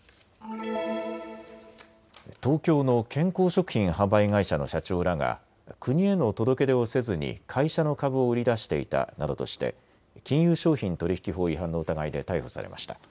東京の健康食品販売会社の社長らが国への届け出をせずに会社の株を売り出していたなどとして金融商品取引法違反の疑いで逮捕されました。